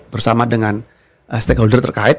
bersama dengan stakeholder terkini